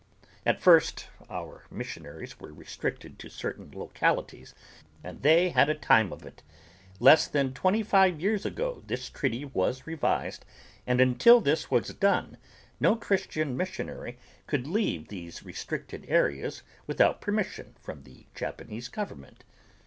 At first our missionaries were restricted to certain localities and they had a time of it. Less than twenty five years ago this treaty was revised and until this was done no Christian missionary could leave these restricted areas without permission from the Japanese government.